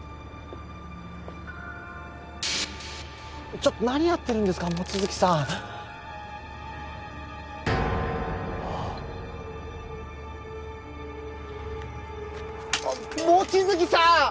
ちょっと何やってるんですか望月さんあっあっ望月さん！